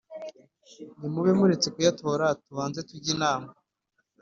nimube muretse kuyatora tubanze tujye inama.